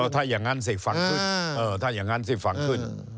ถ้าอย่างนั้นสิฟังขึ้น